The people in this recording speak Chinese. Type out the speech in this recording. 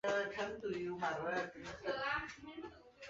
在去世的一年后